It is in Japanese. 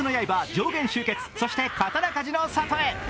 上弦集結、そして刀鍛冶の里へ」。